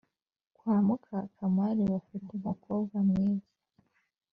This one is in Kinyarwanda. kwa Mukakakamari bafite umukobwa mwiza